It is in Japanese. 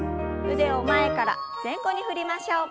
腕を前から前後に振りましょう。